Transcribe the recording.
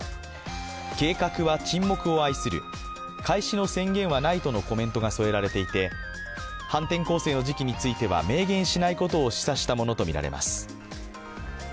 計画は沈黙を愛する開始の宣言はないとのコメントが添えられていて反転攻勢の時期については明言しないことを示唆したものとみられます。